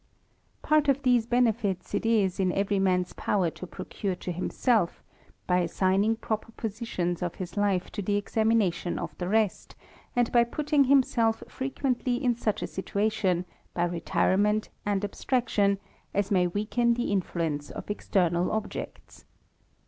Part of Liiesc benefits it is in every man's power to procure to himself, b ^^signing proper portions of his life to the^xamination of the r^stTand by puttmg himself frequently in such a situation,^^ retirement and abstraction, as may weaken the influence of external objects.